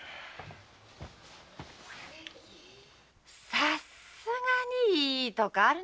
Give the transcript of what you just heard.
さすがにいいとこあるね